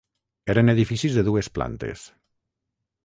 Eren edificis de dues plantes.